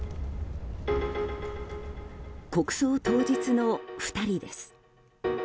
国葬当日の２人です。